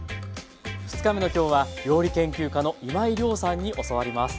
２日目の今日は料理研究家の今井亮さんに教わります。